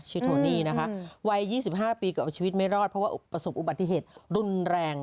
โทนี่นะคะวัย๒๕ปีก็เอาชีวิตไม่รอดเพราะว่าประสบอุบัติเหตุรุนแรง